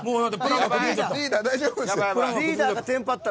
リーダー大丈夫っすよ。